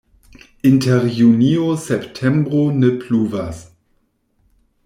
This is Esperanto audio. Inter junio-septembro ne pluvas.